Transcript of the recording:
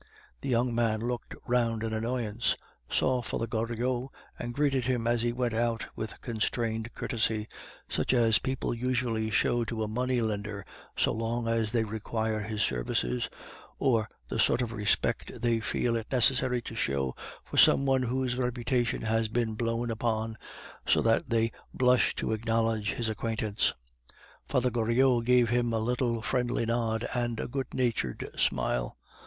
The young man looked round in annoyance, saw Father Goriot, and greeted him as he went out with constrained courtesy, such as people usually show to a money lender so long as they require his services, or the sort of respect they feel it necessary to show for some one whose reputation has been blown upon, so that they blush to acknowledge his acquaintance. Father Goriot gave him a little friendly nod and a good natured smile.